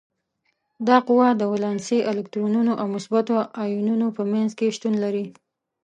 دا قوه د ولانسي الکترونونو او مثبتو ایونونو په منځ کې شتون لري.